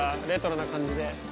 レトロな感じで。